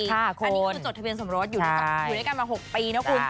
อันนี้คือจดทะเบียนสมรสอยู่ด้วยกันมา๖ปีนะคุณ